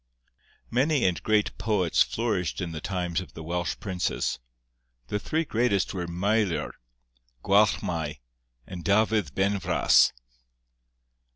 Many and great poets flourished in the times of the Welsh princes: the three greatest were Meilyr, Gwalchmai, and Dafydd Benfras.